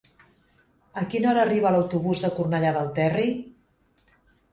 A quina hora arriba l'autobús de Cornellà del Terri?